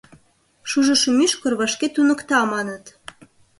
Шужышо мӱшкыр вашке туныкта, маныт.